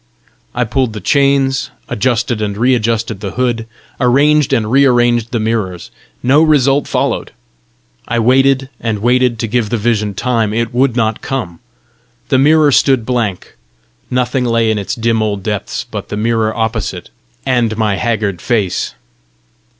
I pulled the chains; adjusted and re adjusted the hood; arranged and re arranged the mirrors; no result followed. I waited and waited to give the vision time; it would not come; the mirror stood blank; nothing lay in its dim old depth but the mirror opposite and my haggard face.